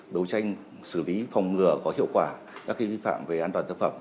đấu tranh xử lý phòng ngừa có hiệu quả các vi phạm về an toàn thực phẩm